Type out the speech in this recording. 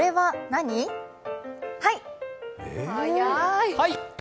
はい。